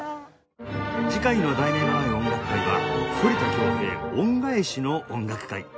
次回の『題名のない音楽会』は「反田恭平恩返しの音楽会」